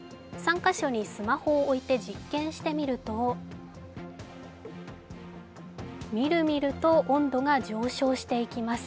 ３カ所にスマホを置いて実験してみるとみるみると温度が上昇していきます。